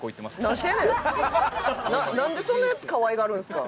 なんでそんなヤツ可愛がるんですか？